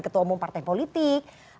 ketua omong partai politik